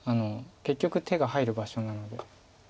結局手が入る場所なので。